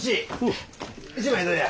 １枚どうや？